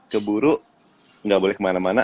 keburu nggak boleh kemana mana